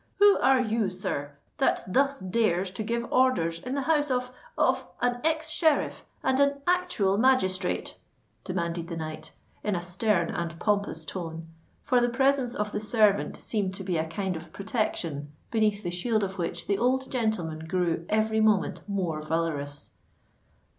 "Who are you, sir, that thus dares to give orders in the house of—of an ex sheriff and an actual magistrate?" demanded the knight, in a stern and pompous tone, for the presence of the servant seemed to be a kind of protection beneath the shield of which the old gentleman grew every moment more valourous.